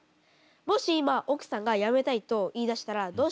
もし今奥さんがやめたいと言いだしたらどうしますか？